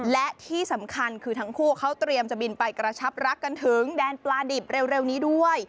และที่สำคัญคือทั้งคู่เขาเตรียมจะบินไปกระชับรักกันถึงแดนปลาดิบเร็วนี้ด้วย